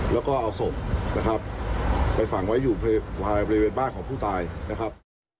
แล้วก็เอาศพนะครับไปฝังไว้อยู่บริเวณบ้านของผู้ตายนะครับ